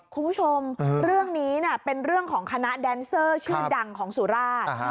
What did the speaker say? คุณผู้ชมเรื่องนี้เป็นเรื่องของคณะแดนเซอร์ชื่อดังของสุราช